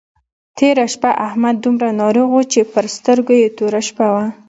تېره شپه احمد دومره ناروغ وو چې پر سترګو يې توره شپه وه.